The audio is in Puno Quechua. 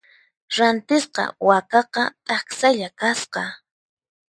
Rantisqa wakaqa taksalla kasqa.